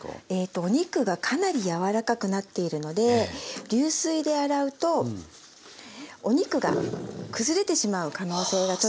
お肉がかなり柔らかくなっているので流水で洗うとお肉が崩れてしまう可能性がちょっと高いんですね。